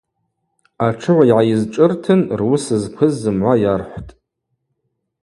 Атшыгӏв йгӏайызшӏыртын руыс зквыз зымгӏва йархӏвтӏ.